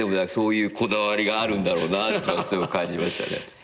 そういうこだわりがあるんだろうなって感じましたね。